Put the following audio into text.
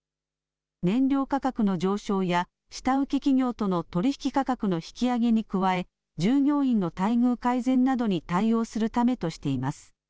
燃料価格の上昇や下請け企業との取引価格の引き上げに加え従業員の待遇改善などに対応するためとしています。